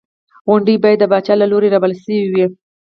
غونډې باید د پاچا له لوري رابلل شوې وې.